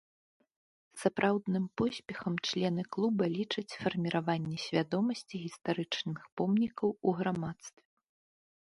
Сапраўдным поспехам члены клуба лічаць фарміраванне свядомасці гістарычных помнікаў у грамадстве.